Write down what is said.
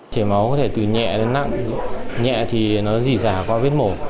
chảy máu có thể từ nhẹ đến nặng nhẹ thì nó dì giả qua viết mổ